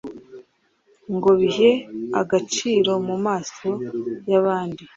ngobihe agaciro mumaso yabandi